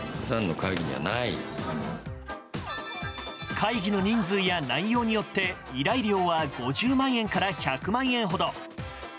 会議の人数や内容によって、依頼料は５０万円から１００万円ほど。